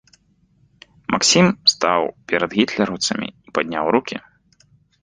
Максім стаў перад гітлераўцамі і падняў рукі.